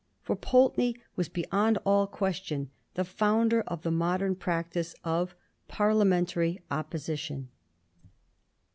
For Pulteney was beyond all question the founder of the modem practice of Parliamentary Opposition.